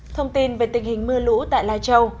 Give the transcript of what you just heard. thông tin về tình hình mưa lũ tại lai châu